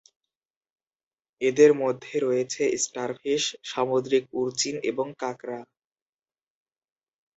এদের মধ্যে রয়েছে স্টারফিশ, সামুদ্রিক উর্চিন এবং কাঁকড়া।